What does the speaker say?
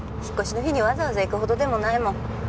引っ越しの日にわざわざ行くほどでもないもん。